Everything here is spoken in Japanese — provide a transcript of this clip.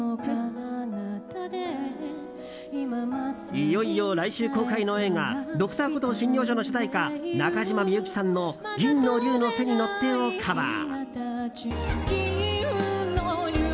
いよいよ来週公開の映画「Ｄｒ．コトー診療所」の主題歌、中島みゆきさんの「銀の龍の背に乗って」をカバー。